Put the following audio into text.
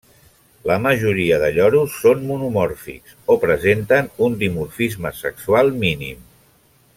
La majoria de lloros són monomòrfics o presenten un dimorfisme sexual mínim.